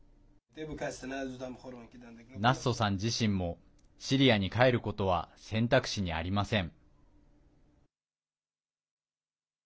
ナッソさん自身もシリアに帰ることは選択肢にありません。